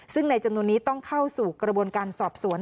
ซึ่งในจำนวนนี้ต้องเข้าสู่กระบวนการสอบสวน